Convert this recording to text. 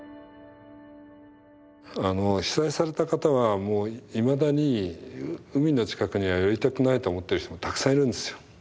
被災された方はもういまだに海の近くには寄りたくないと思ってる人もたくさんいるんですよ。